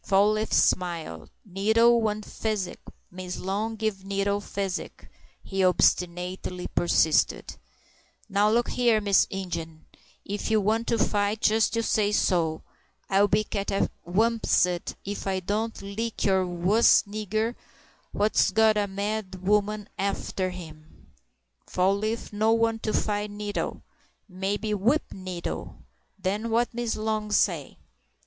Fall leaf smiled. "Nettle want physic—Miss Long give Nettle physic," he obstinately persisted. "Now look here, Mr. Ingen, ef you wants to fight, jest you say so, and I'll be catawampussed ef I don't lick you wuss'n a nigger what's got a mad woman arter him!" "Fall leaf no want to fight Nettle. Maybe whip Nettle—den what Miss Long say?"